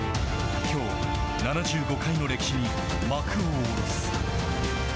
きょう７５回の歴史に幕を下ろす。